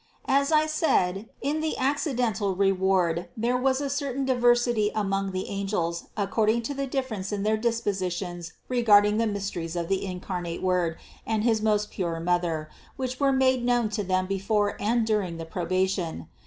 As I said : in the acci dental reward there was a certain diversity among the angels according to the difference in their dispositions regarding the mysteries of the incarnate Word and his most pure Mother, which were made known to them be 291 292 • CITY OF GOD fore and during the probation.